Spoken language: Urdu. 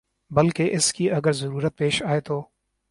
بلکہ اس کی اگر ضرورت پیش آئے تو